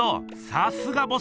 さすがボス！